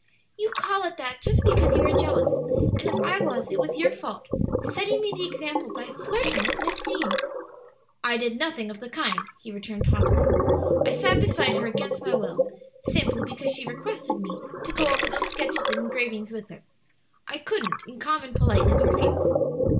"You call it that just because you are jealous. And if I was, it was your fault setting me the example by flirting with Miss Deane." "I did nothing of the kind," he returned haughtily. "I sat beside her against my will, simply because she requested me to go over those sketches and engravings with her. I couldn't in common politeness refuse."